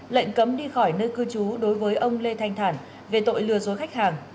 lệnh cấm đi khỏi nơi cư trú đối với ông lê thanh thản về tội lừa dối khách hàng